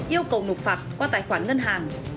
yêu cầu nộp phạt qua tài khoản ngân hàng